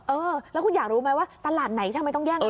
เออแล้วคุณอยากรู้ไหมว่าตลาดไหนทำไมต้องแย่งกัน